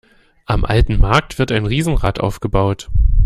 Am alten Markt wird ein Riesenrad aufgebaut.